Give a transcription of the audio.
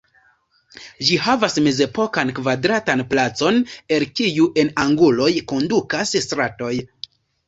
Ĝi havas mezepokan kvadratan placon, el kiu en anguloj kondukas stratoj.